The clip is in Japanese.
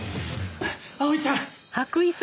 葵ちゃん！